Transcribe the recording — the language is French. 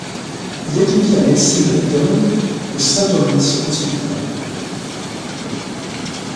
Il étudie la médecine à Eton au St Thomas' Hospital.